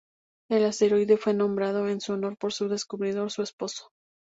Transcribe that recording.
El asteroide fue nombrado en su honor por su descubridor, su esposo.